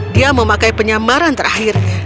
dia memakai penyamaran terakhirnya